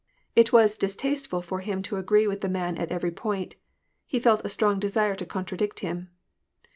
It was distasteful for him to agree with the man at every point : he felt a strong desire to contradict him.